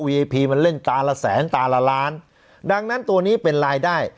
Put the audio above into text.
พีมันเล่นตาละแสนตาละล้านดังนั้นตัวนี้เป็นรายได้